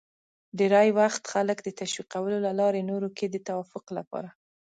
ډېری وخت خلک د تشویقولو له لارې نورو کې د توافق لپاره